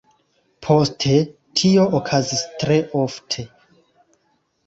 Poste, tio okazis tre ofte.